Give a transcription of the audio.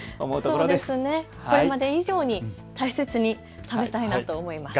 これまで以上に大切に食べたいなと思います。